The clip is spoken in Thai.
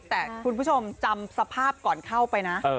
แต่คุณผู้ชมจำสภาพก่อนเข้าไปนะ